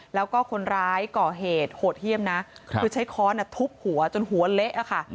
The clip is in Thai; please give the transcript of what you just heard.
แล้วก็คนร้ายก่อเหตุโหดเยี่ยมนะคือใช้ค้อนทุบหัวจนหัวเละค่ะ